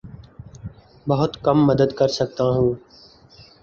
بہت کم مدد کر سکتا ہوں